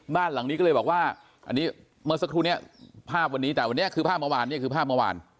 บ้านหลังนี้ก็เลยบอกว่าอันนี้เมื่อสักครู่นี้ภาพวันนี้แต่วันนี้คือภาพเมื่อวานเนี่ยคือภาพเมื่อวาน